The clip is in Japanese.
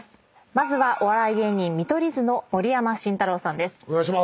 まずはお笑い芸人見取り図の盛山晋太郎さんです。